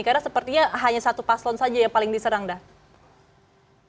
karena sepertinya hanya satu paslon saja yang paling diserang dah